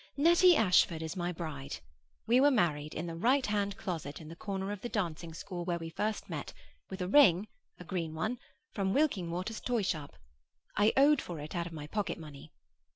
Nettie Ashford is my bride. We were married in the right hand closet in the corner of the dancing school, where first we met, with a ring (a green one) from Wilkingwater's toy shop. I owed for it out of my pocket money.